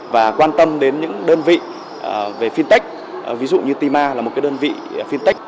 và quan tâm đến những đơn vị về fintech ví dụ như tima là một đơn vị fintech